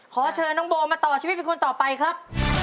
ขอเชิญน้องโบมาต่อชีวิตเป็นคนต่อไปครับ